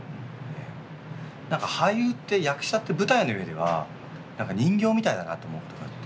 なんか俳優って役者って舞台の上ではなんか人形みたいだなと思うことがあって。